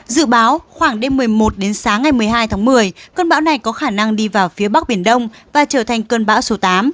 dự báo khoảng đêm một mươi một đến sáng ngày một mươi hai tháng một mươi cơn bão này có khả năng đi vào phía bắc biển đông và trở thành cơn bão số tám